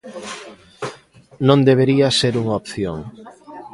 Non debería ser unha opción.